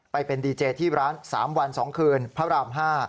ไปเป็นดีเจที่ร้าน๓วัน๒คืนพระราม๕